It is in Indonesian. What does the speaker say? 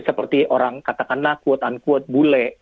seperti orang katakanlah quote unquote bule